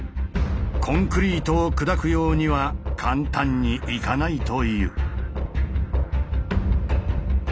コンクリートを砕くようには簡単にいかないという。